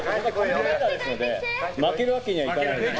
負けるわけにはいかないです。